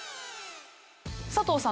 佐藤さん